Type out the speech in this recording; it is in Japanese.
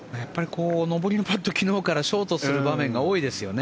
上りのパット、昨日からショートする場面が多いですよね